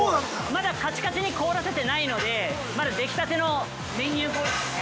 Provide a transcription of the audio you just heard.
まだカチカチに凍らせてないので、まだできたての練乳氷ですね。